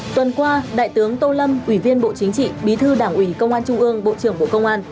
tuần qua đại tướng tô lâm ủy viên bộ chính trị bí thư đảng ủy công an trung ương bộ trưởng bộ công an